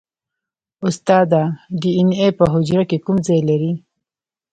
استاده ډي این اې په حجره کې کوم ځای لري